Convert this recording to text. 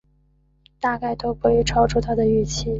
大概都不会超出他的预期